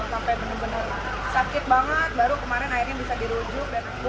sampai benar benar sakit banget baru kemarin akhirnya bisa dirujuk